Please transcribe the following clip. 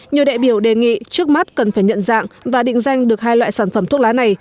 nhiều đại biểu đề nghị trước mắt cần phải nhận dạng và định danh được hai loại sản phẩm thuốc lá này